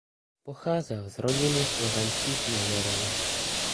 Pocházel z rodiny slovenských Maďarů.